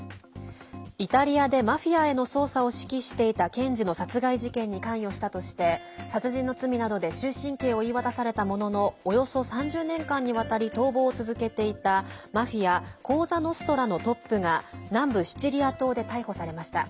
イタリアで、マフィアへの捜査を指揮していた検事の殺害事件に関与したとして殺人の罪などで終身刑を言い渡されたもののおよそ３０年間にわたり逃亡を続けていたマフィアコーザ・ノストラのトップが南部シチリア島で逮捕されました。